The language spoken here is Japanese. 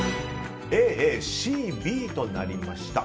Ａ、Ａ、Ｃ、Ｂとなりました。